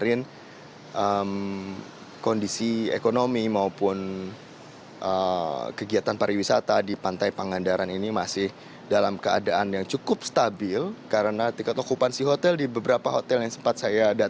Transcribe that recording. ini juga bisa dihindari seharusnya jika ada zonasi